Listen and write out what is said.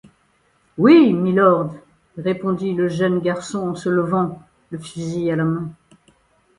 Oui, mylord, » répondit le jeune garçon en se levant, le fusil à la main.